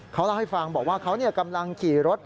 เขาเล่าให้ฟังบอกว่าเขากำลังขี่รถ